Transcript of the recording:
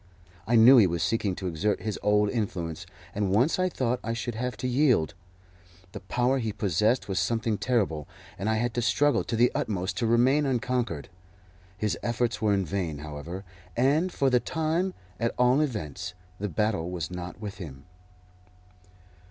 I knew he was seeking to exert his old influence, and once I thought I should have to yield. The power he possessed was something terrible, and I had to struggle to the utmost to remain unconquered. His efforts were in vain, however, and, for the time, at all events, the battle was not with him.